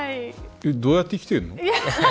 どうやって生きてるの。